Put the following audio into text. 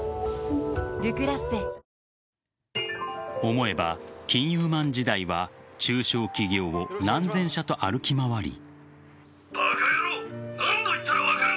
思えば、金融マン時代は中小企業を何千社と歩き回り。